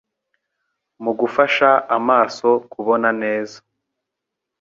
mu gufasha amaso kubona neza.